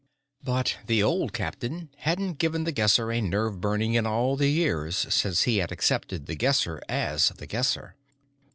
But the old captain hadn't given The Guesser a nerve burning in all the years since he had accepted The Guesser as The Guesser.